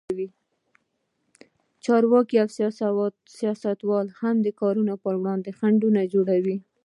چارواکي او سیاستوال هم د کارونو پر وړاندې خنډونه جوړوي.